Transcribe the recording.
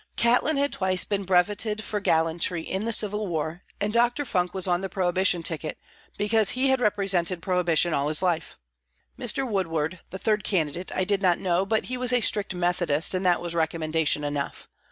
Catlin had twice been brevetted for gallantry in the Civil War, and Dr. Funk was on the prohibition ticket, because he had represented prohibition all his life. Mr. Woodward, the third candidate, I did not know, but he was a strict Methodist, and that was recommendation enough.